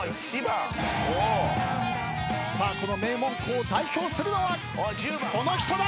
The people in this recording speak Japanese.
さあ名門校を代表するのはこの人だ！